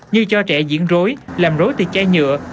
như cho trẻ diễn rối làm rối từ chai nhựa